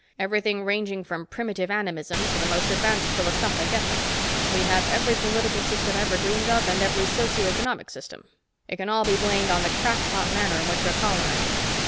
Everything ranging from primitive animism to the most advanced philosophic ethic. We have every political system ever dreamed of, and every socio economic system. It can all be blamed on the crack pot manner in which we're colonizing.